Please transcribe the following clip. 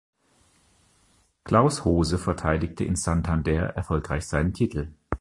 Klaus Hose verteidigte in Santander erfolgreich seinen Titel.